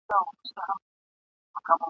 بس هلک مي له بدیو توبه ګار کړ !.